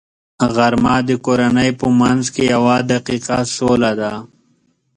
غرمه د کورنۍ په منځ کې یوه دقیقه سوله ده